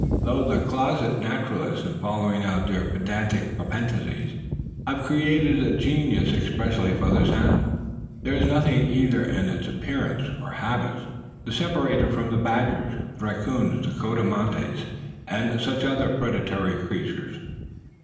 Though the closet naturalists, in following out their pedantic propensities, have created a genus expressly for this animal, there is nothing either in its appearance or habits to separate it from the badgers, the racoons, the coatimondis, and such other predatory creatures.